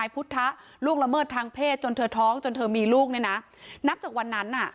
ยังไม่เจอตัวเลยนะคะ